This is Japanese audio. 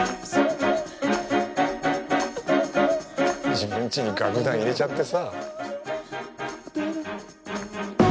自分ちに楽団入れちゃってさ。